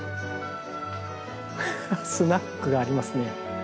スナックがありますね。